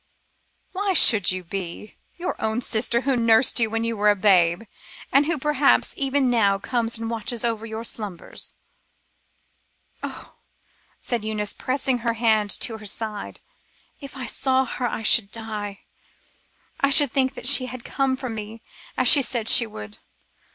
Why should you be? Your own sister who nursed you when you were a babe, and who perhaps even now comes and watches over your slumbers." "Oh!" said Eunice, pressing her hand to her side, "if I saw her I should die. I should think that she had come for me as she said she would.